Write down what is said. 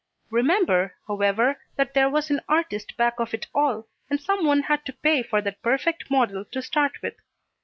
Remember, however, that there was an artist back of it all and someone had to pay for that perfect model, to start with.